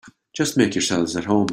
Just make yourselves at home.